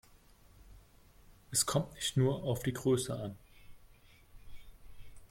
Es kommt nicht nur auf die Größe an.